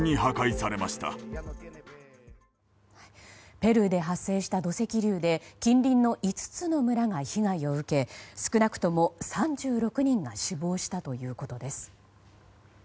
ペルーで発生した土石流で近隣の５つの村が被害を受け少なくとも３６人が死亡したということです。